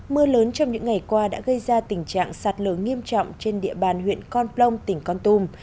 mưa lớn trong những ngày qua đã gây ra tình trạng sạt lở nghiêm trọng trên địa bàn huyện con plong tỉnh con tum